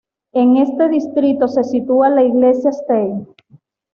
En este distrito se sitúa la iglesia St.